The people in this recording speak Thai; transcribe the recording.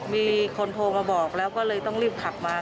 มีคนโทรมาบอกแล้วก็เลยต้องรีบขับมา